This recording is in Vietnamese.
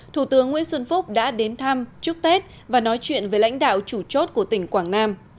thủ tướng nguyễn xuân phúc đã đến thăm chúc tết và nói chuyện với lãnh đạo chủ chốt của tỉnh quảng nam